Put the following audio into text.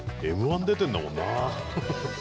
Ｍ−１出てるんだもんな。